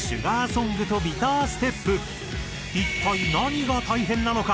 一体何が大変なのか？